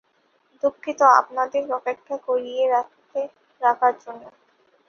দুঃখিত আপনাদের অপেক্ষা করিয়ে রাখার জন্য।